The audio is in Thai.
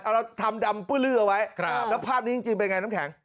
เราทำดำปื้อลื้อเอาไว้แล้วภาพนี้จริงเป็นไงน้ำแข็ง